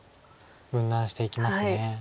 分断していきます。